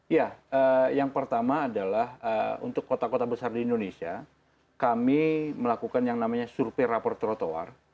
ya yang pertama adalah untuk kota kota besar di indonesia kami melakukan yang namanya survei rapor trotoar